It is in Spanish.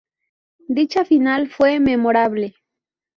Dicha final fue memorable.